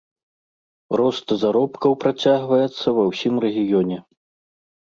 Рост заробкаў працягваецца ва ўсім рэгіёне.